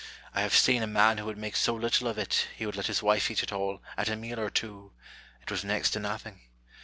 I have seen a man who would make so little of it, he would let his wife eat it all, at a meal or two ; it was next to nothing.